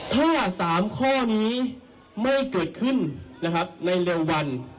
ถ้า๓ข้อนี้ไม่เกิดขึ้นนะครับในเร็ววัน